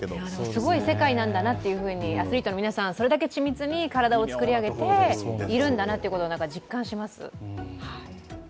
すごい世界なんだなというふうにアスリートの皆さん、それだけ緻密に体を作り上げているんだなということを実感します。